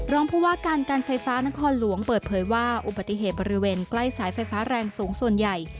รองผู้ว่าการการไฟฟ้านครหลวงเปิดเผยว่าอุบัติเหตุบริเวณใกล้สายไฟฟ้าแรงสูงส่วนใหญ่